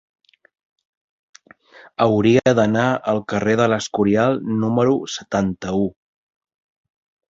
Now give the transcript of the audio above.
Hauria d'anar al carrer de l'Escorial número setanta-u.